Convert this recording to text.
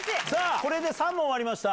これで３問終わりました。